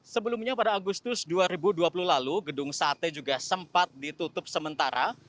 sebelumnya pada agustus dua ribu dua puluh lalu gedung sate juga sempat ditutup sementara